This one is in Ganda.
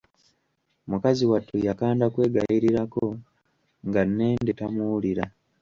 Mukazi wattu yakanda kwegayirirako nga nnende tamuwulira!